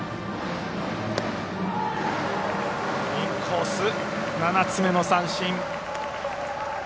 インコース、７つ目の三振。